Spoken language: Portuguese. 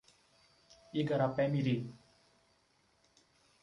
Igarapé-miri